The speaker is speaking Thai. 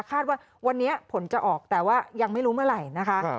คาดว่าวันนี้ผลจะออกแต่ว่ายังไม่รู้เมื่อไหร่นะคะ